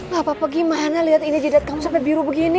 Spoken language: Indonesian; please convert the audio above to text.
gak apa apa gimana liat ini jadat kamu sampai biru begini